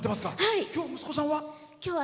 今日、息子さんは？